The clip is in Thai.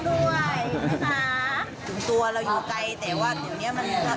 ส่วนตัวเราอยู่ไกลแต่ว่าอยู่นี้มัน